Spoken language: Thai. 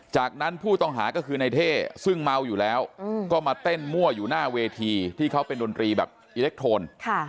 จากนั้นผู้ต้องหาก็คือในเท่ซึ่งเมาอยู่แล้วก็มาเต้นมั่วอยู่หน้าเวทีที่เขาเป็นดนตรีแบบอิเล็กทรอน